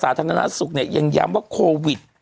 สาธารณสุขเนี่ยยังย้ำว่าโควิด